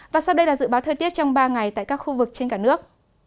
và sau đây là dự báo thời tiết trong ba ngày tại các khu vực trên cả nước